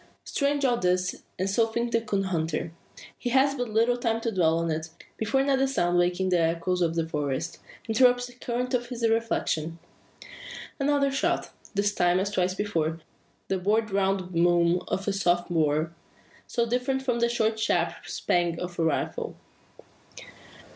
Strange all this; and so thinks the coon hunter. He has but little time to dwell on it, before another sound waking the echoes of the forest, interrupts the current of his reflections. Another shot! This time, as twice before, the broad round boom of a smooth bore, so different from the short sharp "spang" of a rifle.